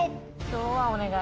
今日はお願い。